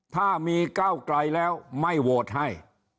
ถ้ามีก้าวไกลแล้วไม่โหวตให้